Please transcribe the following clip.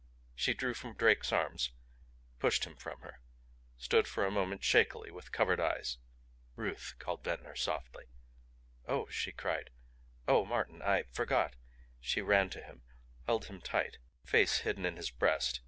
She drew from Drake's arms, pushed him from her, stood for a moment shakily, with covered eyes. "Ruth," called Ventnor softly. "Oh!" she cried. "Oh, Martin I forgot " She ran to him, held him tight, face hidden in his breast.